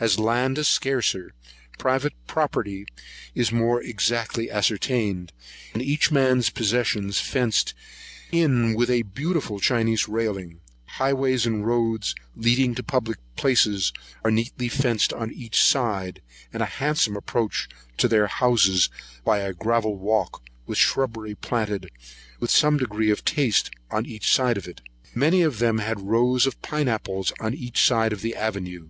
As land is scarcer, private property is more exactly ascertained, and each man's possession fenced in with a beautiful Chinese railing. Highways, and roads leading to public places, are neatly fenced in on each side, and a handsome approach to their houses by a gravel walk, with shubbery planted with some degree of taste on each side of it. Many of them had rows of pine apples on each side of the avenue.